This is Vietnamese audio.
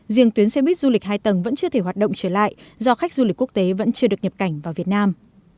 riêng tuyến xe buýt du lịch hai tầng vẫn chưa thể hoạt động trở lại do khách du lịch quốc tế vẫn chưa được nhập cảnh vào việt nam